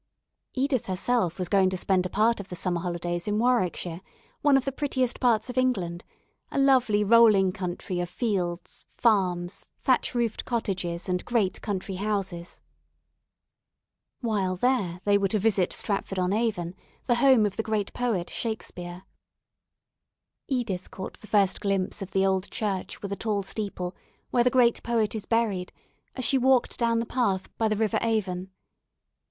Edith herself was going to spend a part of the summer holidays in Warwickshire, one of the prettiest parts of England, a lovely rolling country of fields, farms, thatch roofed cottages, and great country houses. [Illustration: "SHE WALKED DOWN THE PATH BY THE RIVER AVON"] While there they were to visit Stratford on Avon, the home of the great poet Shakespeare. Edith caught the first glimpse of the old church with a tall steeple, where the great poet is buried, as she walked down the path by the river Avon.